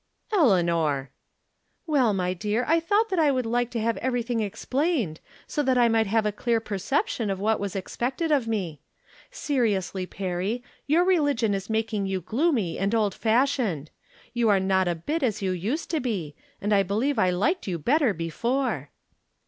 " Eleanor !"" AVell, my dear, I thought that I would like to have everything explained, so that I might have a clear perception of what was expected of me. Seriously, Perry, your religion is making you gloomy and old fashioned. You are not a bit as you used to be, and I believe I liked you better before."